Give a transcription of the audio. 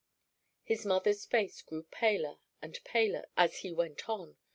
His mother's face grew paler and paler as he went on.